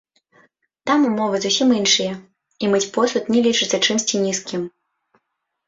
Там умовы зусім іншыя, і мыць посуд не лічыцца чымсьці нізкім.